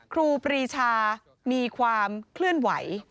ครูปรีชามีความเคลื่อนไหว